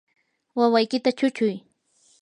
wawaykita chuchuy.